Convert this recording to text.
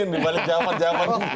di balik jawaban jawaban ini